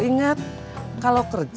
apa ryan beli